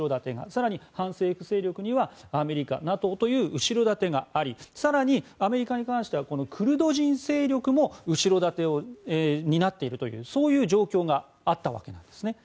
更に反政府勢力にはアメリカ、ＮＡＴＯという後ろ盾があり更に、アメリカに関してはクルド人勢力も後ろ盾を担っているというそういう状況があったわけです。